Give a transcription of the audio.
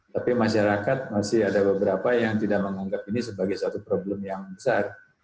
tapi masyarakat masih ada beberapa yang tidak menganggap ini sebagai suatu problem yang besar